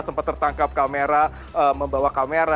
sempat tertangkap kamera membawa kamera